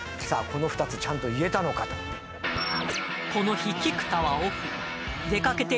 この２つちゃんと言えたのかとあー